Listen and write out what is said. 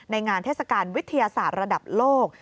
งานเทศกาลวิทยาศาสตร์ระดับโลก